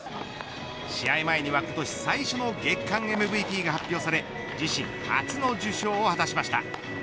試合前には、今年最初の月間ＭＶＰが発表され自身初の受賞を果たしました。